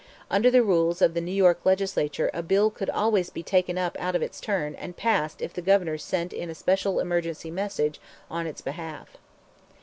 Under the rules of the New York Legislature a bill could always be taken up out of its turn and passed if the Governor sent in a special emergency message on its behalf.